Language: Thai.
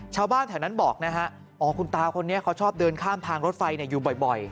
ชาวบ้านแถวนั้นบอกนะฮะอ๋อคุณตาคนนี้เขาชอบเดินข้ามทางรถไฟอยู่บ่อย